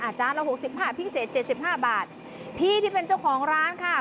อาจารย์เรา๖๕พิเศษ๗๕บาทพี่ที่เป็นเจ้าของร้านค่ะ